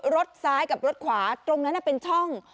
รถซ้ายกับรถขวาตรงนั้นเป็นช่อง